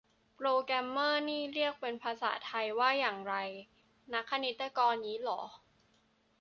โปรแกรมเมอร์นี่เรียกเป็นภาษาไทยว่าอย่างไร นักคณิตกร งี้เหรอ